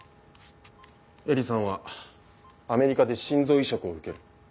絵理さんはアメリカで心臓移植を受ける。